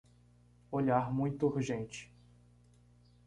Olhar muito urgente